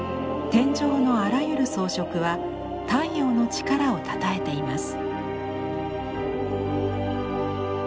天井のあらゆる装飾は太陽の力をたたえています。